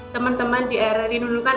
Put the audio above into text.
teman teman di rari nunukan